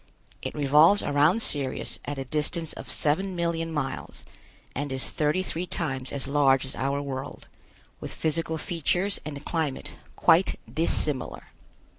It revolves around Sirius at a distance of seven million miles and is thirty three times as large as our world, with physical features and climate quite dissimilar.